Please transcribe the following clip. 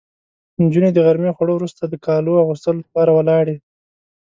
نجونې د غرمې خوړو وروسته د کالو اغوستو لپاره ولاړې.